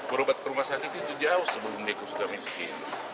berobat perumah sakit itu jauh sebelum dia juga sudah miskin